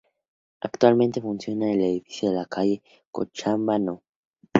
Actualmente funciona en el edificio de la calle Cochabamba No.